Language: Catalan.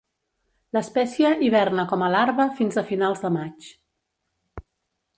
L'espècie hiverna com a larva fins a finals de maig.